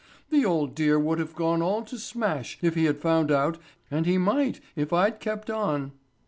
The old dear would have gone all to smash if he had found out and he might if I'd kept on."